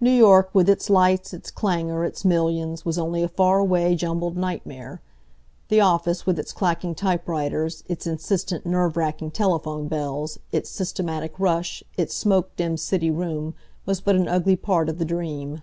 New York, with its lights, its clangor, its millions, was only a far away, jumbled nightmare. The office, with its clacking typewriters, its insistent, nerve racking telephone bells, its systematic rush, its smoke dimmed city room, was but an ugly part of the dream.